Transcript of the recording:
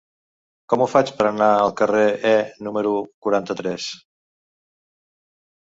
Com ho faig per anar al carrer E número quaranta-tres?